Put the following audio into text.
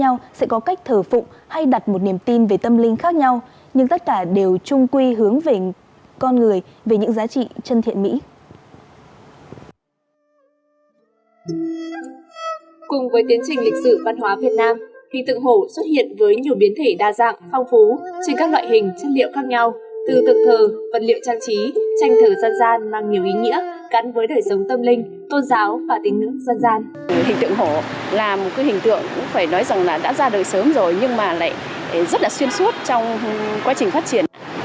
hình tượng hổ là một hình tượng cũng phải nói rằng đã ra đời sớm rồi nhưng lại rất là xuyên suốt trong quá trình phát triển